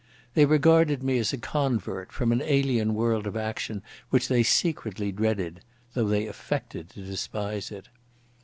They regarded me as a convert from an alien world of action which they secretly dreaded, though they affected to despise it.